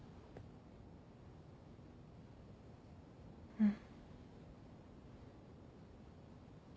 うん。